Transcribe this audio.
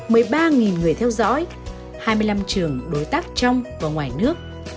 với ba người theo dõi hai mươi năm trường đối tác trong và ngoài nước